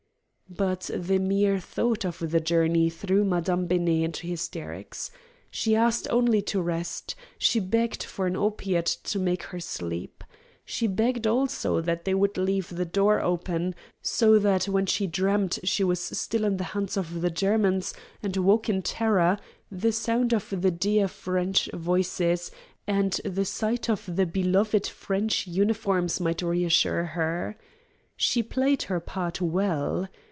But the mere thought of the journey threw Madame Benet into hysterics. She asked only to rest, she begged for an opiate to make her sleep. She begged also that they would leave the door open, so that when she dreamed she was still in the hands of the Germans, and woke in terror, the sound of the dear French voices and the sight of the beloved French uniforms might reassure her. She played her part well.